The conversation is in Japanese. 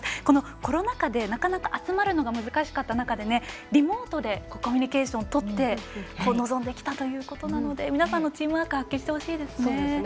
コロナ禍でなかなか集まるのも難しかった中でリモートでコミュニケーションとって臨んできたということなので皆さんのチームワークを発揮してほしいですね。